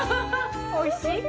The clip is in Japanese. おいしい？